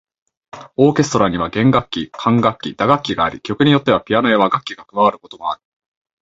オーケストラには弦楽器、管楽器、打楽器があり、曲によってはピアノや和楽器が加わることもある。